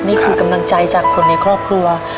นี่คือกำลังใจจากคนในครอบครัว